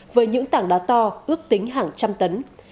với những tảng đá to ước tính hàng trăm tấn